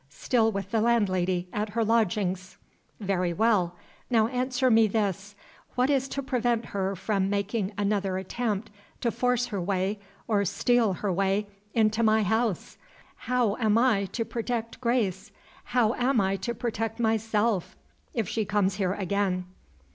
"Still with the landlady, at her lodgings." "Very well. Now answer me this! What is to prevent her from making another attempt to force her way (or steal her way) into my house? How am I to protect Grace, how am I to protect myself, if she comes here again?"